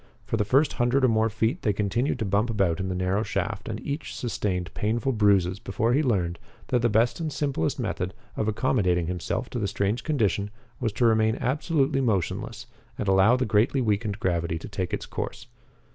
For the first hundred or more feet they continued to bump about in the narrow shaft and each sustained painful bruises before he learned that the best and simplest method of accommodating himself to the strange condition was to remain absolutely motionless and allow the greatly weakened gravity to take its course.